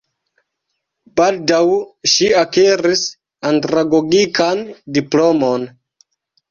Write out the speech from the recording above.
Baldaŭ ŝi akiris andragogikan diplomon.